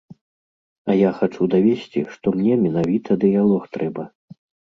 А я хачу давесці, што мне менавіта дыялог трэба.